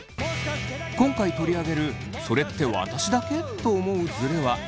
今回取り上げる「それって私だけ？」と思うズレは３つ。